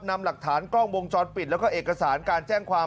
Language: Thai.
นำหลักฐานกล้องวงจรปิดแล้วก็เอกสารการแจ้งความ